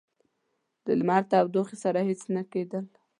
د لمر تودوخې سره هیڅ نه کېدل.